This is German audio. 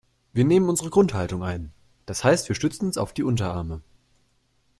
Wir nehmen unsere Grundhaltung ein, das heißt wir stützen uns auf die Unterarme.